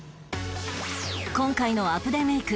今回のアプデメイク